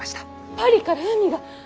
パリから文が？